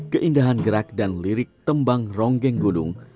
keindahan gerak dan lirik tembang ronggeng gunung